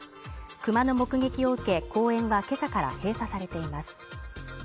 クマの目撃を受け、公園は今朝から閉鎖されています。